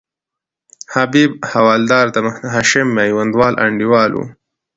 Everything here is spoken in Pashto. حبیب حوالدار د محمد هاشم میوندوال انډیوال وو.